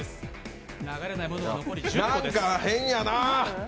なんか変やなぁ！